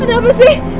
ada apa sih